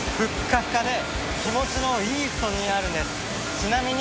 ちなみに